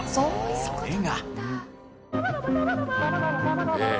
それが。